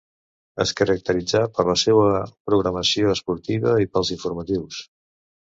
Es caracteritzà per la seua programació esportiva i pels informatius.